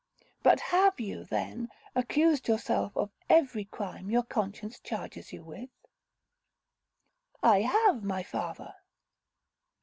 But have you, then, accused yourself of every crime your conscience charges you with?' 'I have, my father.'